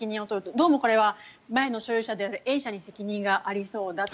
どうもこれは前の所有者であるＡ社の責任がありそうだと。